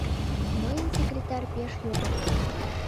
Мыйын секретарь пеш його...